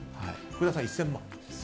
福田さん、１０００万円。